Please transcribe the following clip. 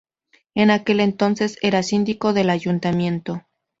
En aquel entonces era síndico del Ayuntamiento.